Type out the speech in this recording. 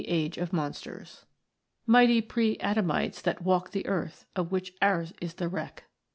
309338 of " Mighty pre Adamites that walked the earth Of which ours is the wreck."